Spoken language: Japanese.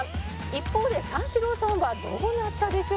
「一方で三四郎さんはどうなったでしょうか？」